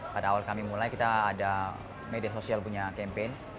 pada awal kami mulai kita ada media sosial punya campaign